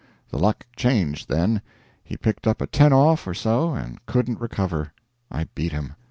The luck changed then. He picked up a 10 off or so, and couldn't recover. I beat him.